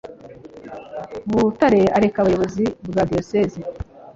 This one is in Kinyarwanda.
butare areka ubuyobozi bwa diyosezi